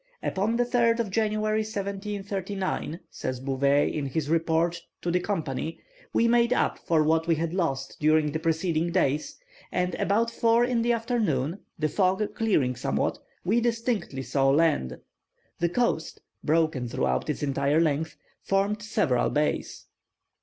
"Upon the 3rd of January, 1739," says Bouvet, in his report to the Company, "we made up for what we had lost during the preceding days, and about four in the afternoon, the fog clearing somewhat, we distinctly saw land. The coast, broken throughout its entire length, formed several bays.